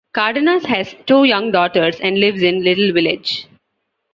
Cardenas has two young daughters and lives in Little Village.